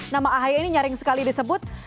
nama ahy ini nyaring sekali disebut